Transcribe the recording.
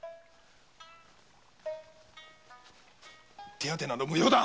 手当てなど無用だ。